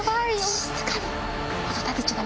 静かに！